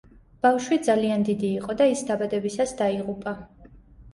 ბავშვი ძალიან დიდი იყო და ის დაბადებისას დაიღუპა.